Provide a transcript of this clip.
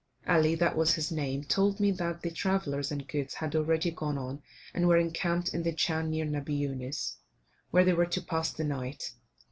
Ali, that was his name, told me that the travellers and goods had already gone on and were encamped in the chan near Nebbi Yunus, where they were to pass the night.